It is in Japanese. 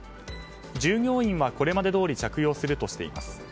従業員はこれまでどおり着用するとしています。